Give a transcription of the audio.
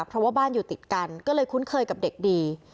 เพราะว่าบ้านอยู่ติดกันก็เลยคุ้นเคยกับเด็กดี